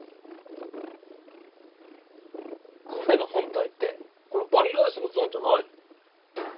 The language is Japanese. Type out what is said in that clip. パフェの本体ってこのバニラアイスのゾーンじゃないの？